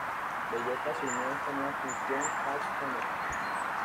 Bellota asumió esta nueva función ad honorem.